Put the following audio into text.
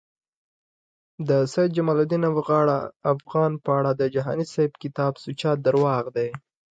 د سید جمالدین افغان په اړه د جهانی صیب کتاب سوچه درواغ دی